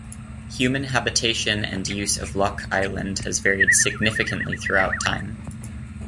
Human habitation and use of Locke Island has varied significantly throughout time.